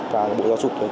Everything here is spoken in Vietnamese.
và bộ giáo dục